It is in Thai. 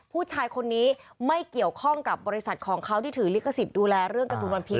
ผู้ชายคนนี้ไม่เกี่ยวข้องกับบริษัทของเขาที่ถือลิขสิทธิ์ดูแลเรื่องการ์ตูนวันพิษ